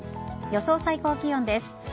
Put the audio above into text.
予想最高気温です。